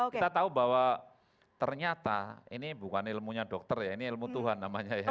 kita tahu bahwa ternyata ini bukan ilmunya dokter ya ini ilmu tuhan namanya ya